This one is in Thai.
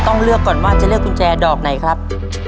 เลือกก่อนว่าจะเลือกกุญแจดอกไหนครับ